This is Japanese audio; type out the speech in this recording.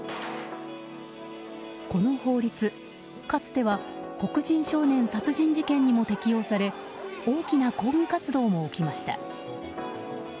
この法律、かつては黒人少年殺人事件にも適用され大きな抗議活動も起きました。